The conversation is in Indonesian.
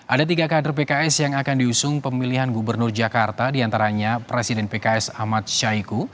ada tiga kader pks yang akan diusung pemilihan gubernur jakarta diantaranya presiden pks ahmad syahiku